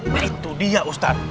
nah itu dia ustaz